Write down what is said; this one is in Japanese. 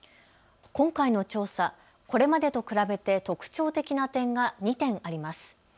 今回の調査、これまでと比べて特徴的な点が２点あります。